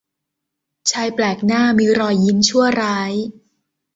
ชายแปลกหน้ามีรอยยิ้มชั่วร้าย